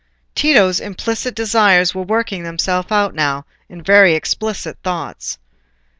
Tito's implicit desires were working themselves out now in very explicit thoughts.